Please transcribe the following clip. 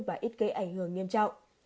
và ít gây ảnh hưởng nghiêm trọng